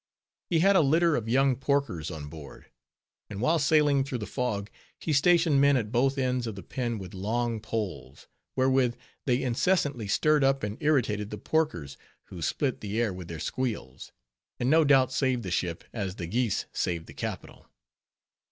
He had a litter of young porkers on board; and while sailing through the fog, he stationed men at both ends of the pen with long poles, wherewith they incessantly stirred up and irritated the porkers, who split the air with their squeals; and no doubt saved the ship, as the geese saved the Capitol.